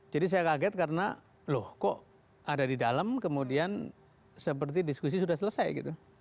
jadi saya kaget karena loh kok ada di dalam kemudian seperti diskusi sudah selesai gitu